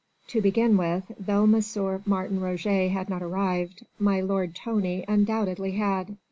To begin with, though M. Martin Roget had not arrived, my lord Tony undoubtedly had.